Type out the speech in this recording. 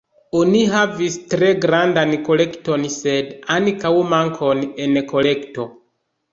Oni havis tre grandan kolekton sed ankaŭ mankon en kolekto.